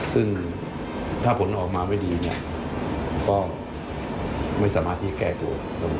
ซึ่งถ้าผลออกมาไม่ดีเนี่ยผมก็ไม่สามารถที่แก้ตัว